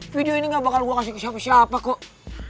video ini gak bakal gue kasih ke siapa siapa kok